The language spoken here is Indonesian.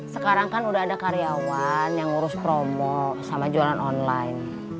sekarang kan udah ada karyawan yang ngurus promo sama jualan online